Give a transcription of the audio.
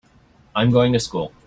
I'm going to school.